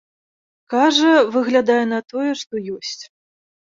Кажа, выглядае на тое, што ёсць.